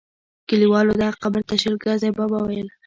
کلیوالو دغه قبر ته شل ګزی بابا ویل.